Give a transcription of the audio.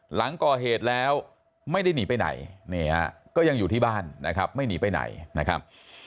หลังก่อเหตุแล้วไม่ได้หนีไปไหนนี่ฮะก็ยังอยู่ที่บ้านนะครับไม่หนีไปไหนนะครับ